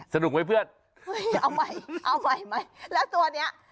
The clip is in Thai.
สนุกไหมเพื่อนเอาใหม่ไหมแล้วตัวนี้